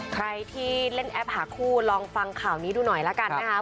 ใครที่เล่นแอปหาคู่ลองฟังข่าวนี้ดูหน่อยละกันนะคะ